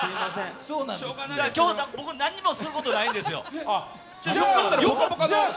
今日は僕、何もすることないんですよ。